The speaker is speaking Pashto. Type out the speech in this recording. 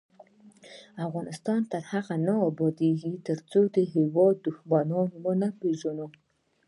افغانستان تر هغو نه ابادیږي، ترڅو د هیواد دښمنان ونه پیژنو.